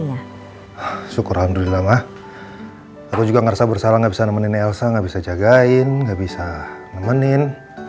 alhamdulillah mah aku juga ngerasa bersalah gak bisa nemenin elsa gak bisa jagain gak bisa nemenin